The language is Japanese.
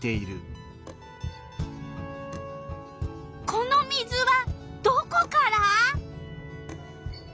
この水はどこから？